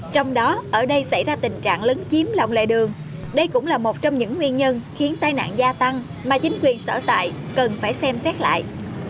trong đó ở đây xảy ra tình trạng lấn chiếm lòng lệ đường đây cũng là một trong những nguyên nhân khiến tai nạn gia tăng mà chính quyền sở tại cần phải xem xét lại